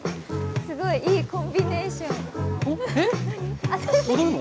すごいいいコンビネーション。